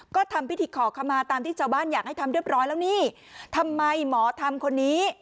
ก็ทำพิธีขอขมาตามที่ชาวบ้านอยากให้ทำเรียบร้อยแล้วนี่ทำไมหมอทำคนนี้